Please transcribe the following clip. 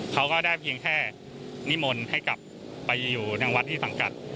เขาก็ได้เพียงแค่นิมนต์ให้กลับไปอยู่ในวัดที่สังกัด